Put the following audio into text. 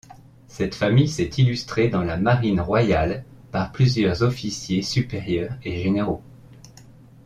Cette famille s'est illustrée dans la Marine royale par plusieurs officiers supérieurs et généraux.